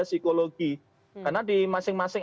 psikologi karena di masing masing